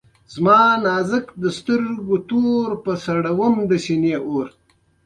چا په لاسونوکې ګلونه، چااغزي راوړله